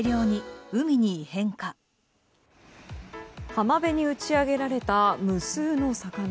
浜辺に打ち上げられた無数の魚。